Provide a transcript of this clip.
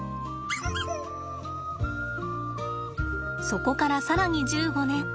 そこから更に１５年。